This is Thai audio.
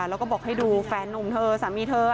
แล้วก็บอกให้ดูแฟนนุ่มเธอสามีเธอ